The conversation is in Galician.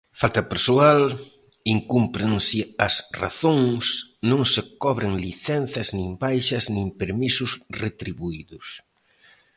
Falta persoal, incúmprense as razóns, non se cobren licenzas nin baixas nin permisos retribuídos.